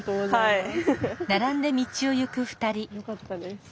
はい。